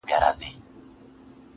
د دې خمارو ماښامونو نه به وځغلمه_